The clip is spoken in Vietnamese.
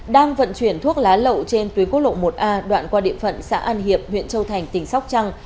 đang vận chuyển thuốc lá lậu trên tuyến quốc lộ một a đoạn qua địa phận xã an hiệp huyện châu thành tỉnh sóc trăng